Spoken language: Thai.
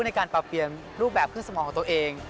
ในการปรับเปลี่ยนรูปแบบขึ้นสมองของตัวเอง